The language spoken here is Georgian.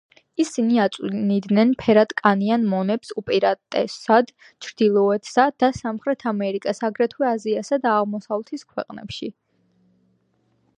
ისინი აწვდიდნენ ზანგ მონებს უპირატესად ჩრდილოეთსა და სამხრეთ ამერიკას, აგრეთვე აზიისა და აღმოსავლეთის ქვეყნებს.